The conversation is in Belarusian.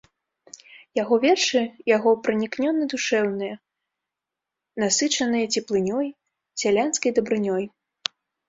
Яго вершы яго пранікнёна- душэўныя, насычаныя цеплынёй, сялянскай дабрынёй.